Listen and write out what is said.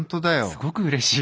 すごくうれしい。